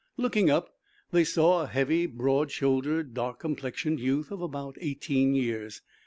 Looking up, they saw a heavy, broad shouldered, dark complexioned youth of about eighteen years.